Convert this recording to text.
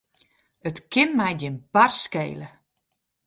It kin my gjin barst skele.